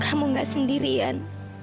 kamu nggak sendirian